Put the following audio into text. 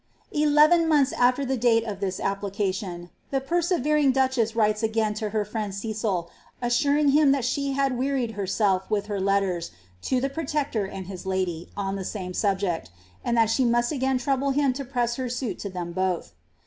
"' ■Heyen months after the date of this application, the perserering ihess writes again to her friend Cecil, assuring him that she had wearied self with her letters to the protector and his lady, on the same subject, I that she must again trouble him to press her suit to them both.